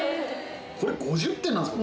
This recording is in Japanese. これ５０点なんですか？